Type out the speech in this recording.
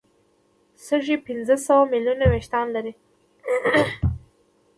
سږي پنځه سوه ملیونه وېښتان لري.